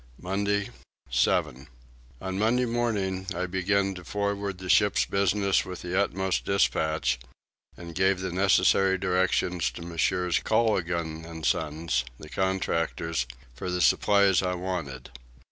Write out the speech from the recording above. Monday 7. On Monday morning I began to forward the ship's business with the utmost dispatch, and gave the necessary directions to Messrs. Collogan and sons, the contractors, for the supplies I wanted.